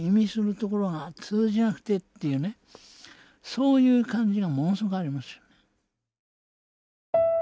そういう感じがものすごくありますよね。